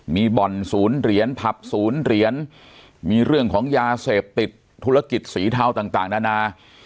มีบ่อนศูนย์เหรียญผับศูนย์เหรียญมีเรื่องของยาเสพติดธุรกิจสีเทาต่างนานา